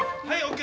はい。